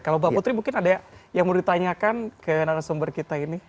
kalau mbak putri mungkin ada yang mau ditanyakan ke narasumber kita ini